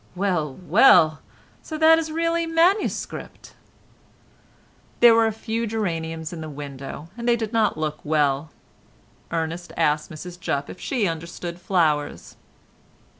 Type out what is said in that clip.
Well! well! So that is really manuscript?" There were a few geraniums in the window and they did not look well. Ernest asked Mrs Jupp if she understood flowers.